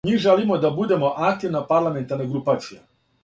Ми желимо да будемо активна парламентарна групација.